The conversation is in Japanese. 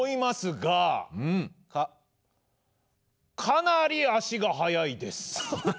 かなり足が速いです。